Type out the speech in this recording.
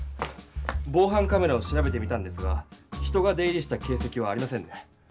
ぼうはんカメラを調べてみたんですが人が出入りした形せきはありませんね。